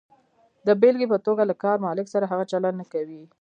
د بېلګې په توګه، له کار مالک سره هغه چلند نه کوئ.